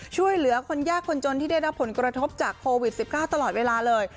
ช่วยเหลือคนยากคนจนที่ได้รับผลกระทบจากโควิด๑๙ตลอดเวลาเลย